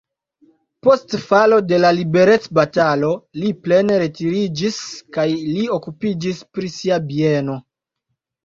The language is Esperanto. Post falo de la liberecbatalo li plene retiriĝis kaj li okupiĝis pri sia bieno.